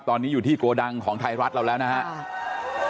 ตอนนี้อยู่ที่โกดังของไทยรัฐเราแล้วนะครับ